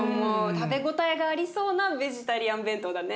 食べ応えがありそうなベジタリアン弁当だね。